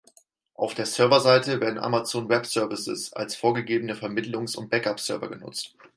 Auf der Serverseite werden Amazon Web Services als vorgegebene Vermittlungs- und Backup-Server genutzt.